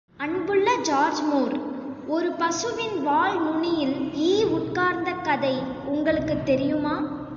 அன்புள்ள George Moore, ஒரு பசுவின் வால் நுனியில் ஈ உட்கார்ந்த கதை உங்களுக்குத் தெரியுமா?